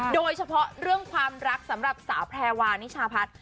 โดยเฉพาะเรื่องความรักสำหรับสาวแพรวานิชาพัฒน์